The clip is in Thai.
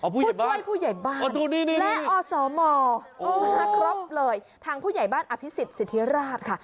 ผู้ช่วยผู้ใหญ่บ้านและอสมมาครบเลยทางผู้ใหญ่บ้านอภิษฎสิทธิราชค่ะ